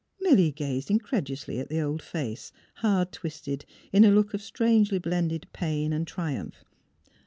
" Milly gazed incredulously at the old face, hard twisted in a look of strangely blended pain and triumph.